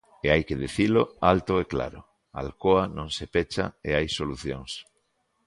E hai que dicilo alto e claro: Alcoa non se pecha e hai solucións.